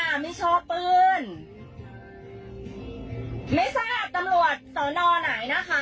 คล้มคู่ประชาชนนะคะ